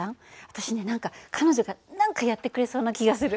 私ね何か彼女が何かやってくれそうな気がする。